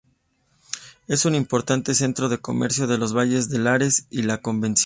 Es un importante centro de comercio de los valles de Lares y La Convención.